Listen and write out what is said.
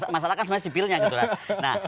masalah kan sebenarnya sipilnya gitu kan